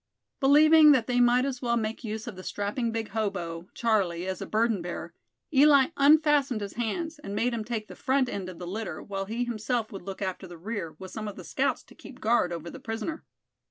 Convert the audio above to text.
Believing that they might as well make use of the strapping big hobo, Charlie, as a burden bearer, Eli unfastened his hands, and made him take the front end of the litter, while he himself would look after the rear, with some of the scouts to keep guard over the prisoner.